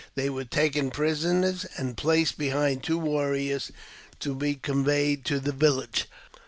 They were taken prisoners,, and placed behind two warriors to be conveyed to the village.